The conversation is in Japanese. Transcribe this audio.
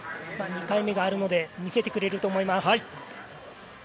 ２回目があるので、見せてくれると思います。